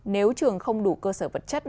nếu trường không đủ cơ sở vật chất